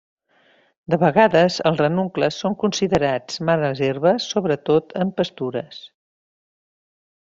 De vegades els ranuncles són considerats males herbes sobretot en pastures.